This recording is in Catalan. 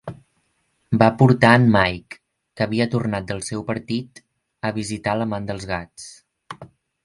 Va portar en Mike, que havia tornat del seu partit, a visitar l'amant dels gats.